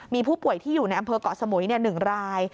มีผู้ป่วยที่อยู่ในอำเภอกเกาะสมุย๑ราย